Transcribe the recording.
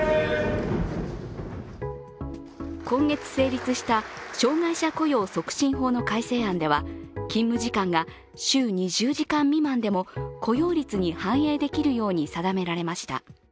今月成立した障害者雇用促進法の改正案では勤務時間が週２０時間未満でも雇用率に反映できるように定められました。